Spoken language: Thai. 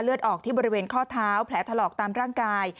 ออกที่บริเวณข้อเท้าแผลถลอกตามร่างกาย